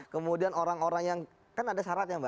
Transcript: kemudian orang orang yang kan ada syaratnya mbak